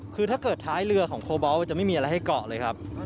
คือถ้าเกิดท้ายเรือของโคบอลจะไม่มีอะไรให้เกาะเลยครับ